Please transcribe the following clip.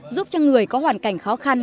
giúp cho người có hoàn cảnh khó khăn